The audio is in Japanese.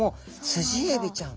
スジエビちゃん。